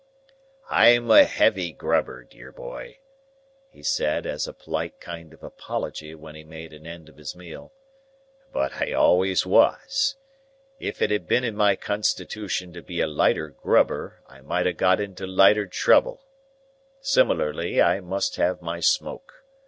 "I'm a heavy grubber, dear boy," he said, as a polite kind of apology when he made an end of his meal, "but I always was. If it had been in my constitution to be a lighter grubber, I might ha' got into lighter trouble. Similarly, I must have my smoke.